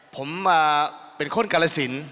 ผมเป็นคนกรสิน